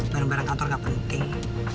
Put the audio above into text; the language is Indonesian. baru baru kantor nggak penting